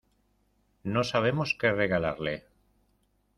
No sabemos qué regalarle.